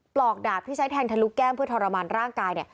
ปลอกดาบที่ใช้แทงทะลุแก้มเพื่อทรมานร่างกายเนี่ย